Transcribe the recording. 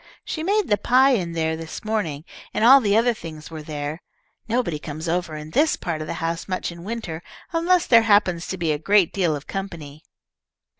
"She made the pie in there this morning, and all the other things were there. Nobody comes over in this part of the house much in winter, unless there happens to be a great deal of company."